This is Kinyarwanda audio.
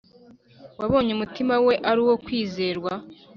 Wabonye umutima we ari uwo kwizerwa